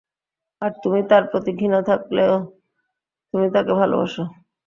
আর তুমি, তার প্রতি ঘৃণা থাকলেও তুমি তাকে ভালোবাসো।